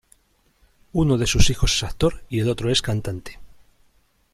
Uno de sus hijos es actor y el otro es cantante.